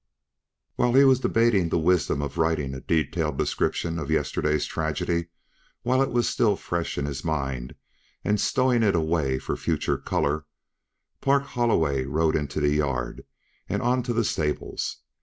While he was debating the wisdom of writing a detailed description of yesterday's tragedy while it was still fresh in his mind and stowing it away for future "color," Park Holloway rode into the yard and on to the stables.